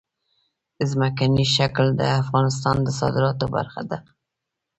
ځمکنی شکل د افغانستان د صادراتو برخه ده.